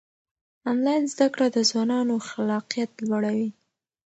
آنلاین زده کړه د ځوانانو خلاقیت لوړوي.